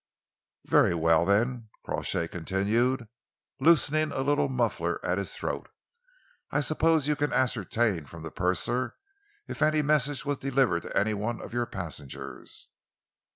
"Very well, then," Crawshay continued, loosening a little muffler at his throat, "I suppose you can ascertain from the purser if any message was delivered to any one of your passengers?"